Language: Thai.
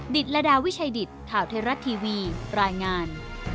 ดิดละดาวิชัยดิดถ่าวเทราะต์ทีวีรายงาน